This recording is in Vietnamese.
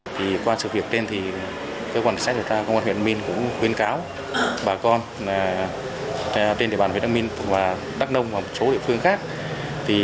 ngoài việc đến năm tiệm vàng trên địa bàn tp hcm và tỉnh đồng nai